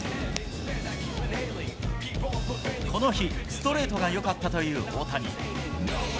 この日、ストレートがよかったという大谷。